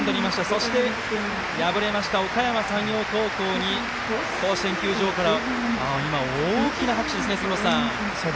そして、敗れましたおかやま山陽高校に甲子園球場から今、大きな拍手ですね杉本さん。